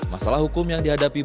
masalah hukum yang dihadapi